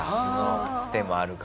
つてもあるから。